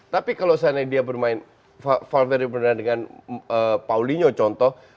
tapi kalau seandainya dia bermain valverde benar dengan paulinho contoh